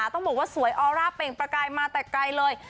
ต้องบอกว่าสวยออร่าเปล่งประกายมาแต่ไกลเลย